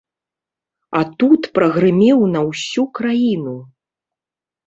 А тут прагрымеў на ўсю краіну.